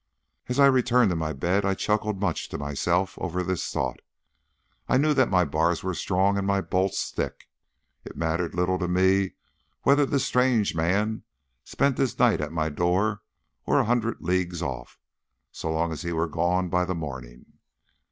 As I returned to my bed I chuckled much to myself over this thought. I knew that my bars were strong and my bolts thick. It mattered little to me whether this strange man spent his night at my door or a hundred leagues off, so long as he was gone by the morning.